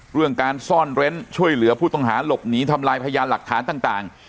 เรื่องการซ่อนเร้นช่วยเหลือผู้ต้องหาหลบหนีทำลายพยานหลักฐานต่าง